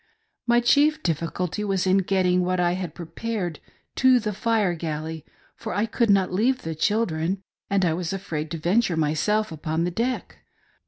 My chief difficulty was in getting what I had prepared to the fire galley, for I could nol leave the children, and I was afraid to venture myself upon deck.